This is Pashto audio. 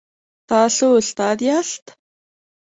تاسو استاد یاست؟